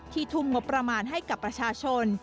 ทุ่มงบประมาณให้กับประชาชน